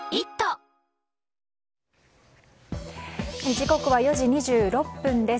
時刻は４時２６分です。